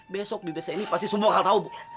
besok di desa ini pasti semua akan tahu bu